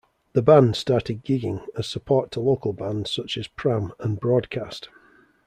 The band started gigging as support to local bands such as Pram and Broadcast.